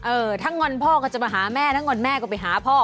เออถ้างอนพ่อก็จะมาหาแม่นะงอนแม่ก็ไปหาพ่อ